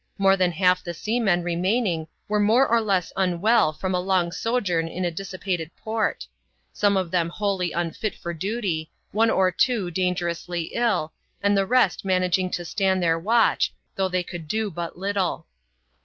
More than half the seamen remaining were more or less unwell from a long sojourn in a dissipated port ; some of them wholly unfit for duty, one or two dangerously ill, and the rest managing to stand their watch, though they could do but little.